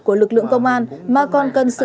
của lực lượng công an mà còn cần sự